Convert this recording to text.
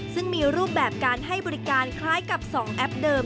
ซึ่งมีรูปแบบการให้บริการคล้ายกับ๒แอปเดิม